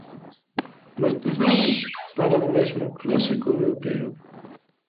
Moitos nomes para un mesmo clásico europeo.